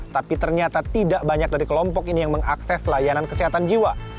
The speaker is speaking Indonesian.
tapi ternyata tidak banyak dari kelompok ini yang mengakses layanan kesehatan jiwa